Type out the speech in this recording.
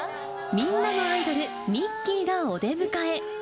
みんなのアイドル、ミッキーがお出迎え。